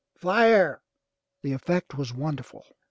Fire!'' The effect was wonderful.